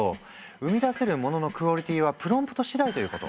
生み出せるもののクオリティーはプロンプト次第ということ。